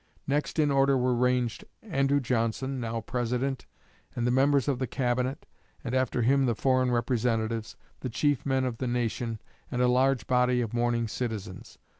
Next in order were ranged Andrew Johnson (now President) and the members of the Cabinet, and after them the foreign representatives, the chief men of the nation, and a large body of mourning citizens.